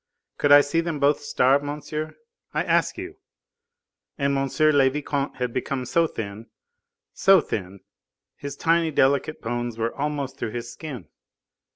Could I see them both starve, monsieur? I ask you! and M. le Vicomte had become so thin, so thin, his tiny, delicate bones were almost through his skin.